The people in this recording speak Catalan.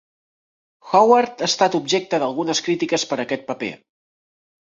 Howard ha estat objecte d'algunes crítiques per aquest paper.